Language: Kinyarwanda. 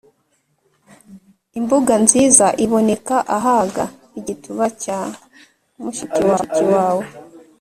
imbuga nziza iboneka ahaga: igituba cya mushiki wawe